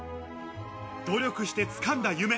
努力して掴んだ夢。